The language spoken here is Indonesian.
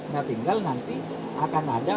nah tinggal nanti akan ada